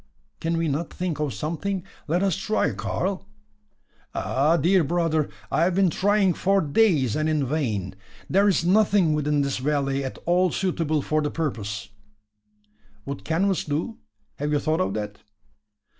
"Can we not think of something? Let us try, Karl!" "Ah! dear brother, I have been trying for days, and in vain. There is nothing within this valley at all suitable for the purpose." "Would canvas do? Have you thought of that?"